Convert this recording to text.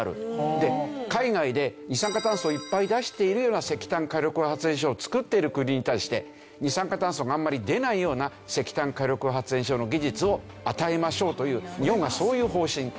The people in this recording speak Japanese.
で海外で二酸化炭素をいっぱい出しているような石炭火力発電所を造っている国に対して二酸化炭素があんまり出ないような石炭火力発電所の技術を与えましょうという日本はそういう方針。